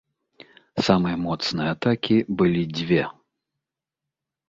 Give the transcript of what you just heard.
Самыя моцныя атакі былі дзве.